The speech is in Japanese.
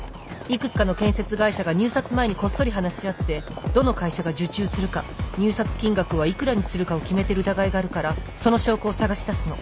幾つかの建設会社が入札前にこっそり話し合ってどの会社が受注するか入札金額は幾らにするかを決めてる疑いがあるからその証拠を捜し出すの。